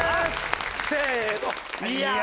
せの。